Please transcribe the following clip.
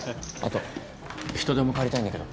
後人手も借りたいんだけど。